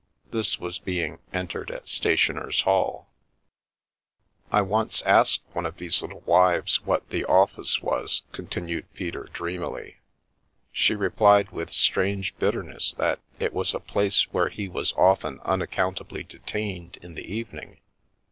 That was being ' Entered at Stationers' Hall/ "" I once asked one of these little wives what ' the office ' was," continued Peter dreamily. " She replied with strange bitterness that it was a place where he was often unaccountably detained in the evening.